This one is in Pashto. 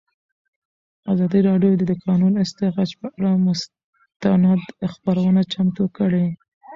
ازادي راډیو د د کانونو استخراج پر اړه مستند خپرونه چمتو کړې.